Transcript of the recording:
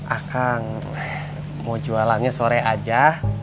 akan mau jualannya sore aja